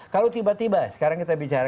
kalau tiba tiba sekarang kita bicara